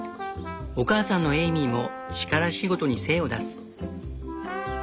お母さんのエイミーも力仕事に精を出す。